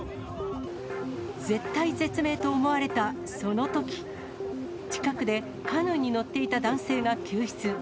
絶体絶命と思われたそのとき、近くでカヌーに乗っていた男性が救出。